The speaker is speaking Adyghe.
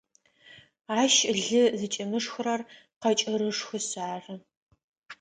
Ащ лы зыкӏимышхырэр къэкӏырышхышъ ары.